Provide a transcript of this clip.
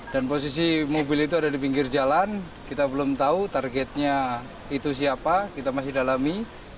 dan posisi mobil itu ada di pinggir jalan kita belum tahu targetnya itu siapa kita masih dalami